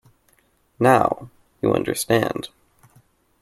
Now, you understand.